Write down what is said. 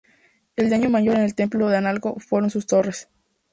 El daño mayor en el Templo de Analco fueron sus torres.